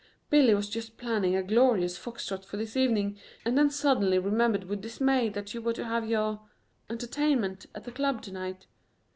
"Billy was just planning a glorious fox trot for this evening and then suddenly remembered with dismay that you were to have your entertainment at the Club to night.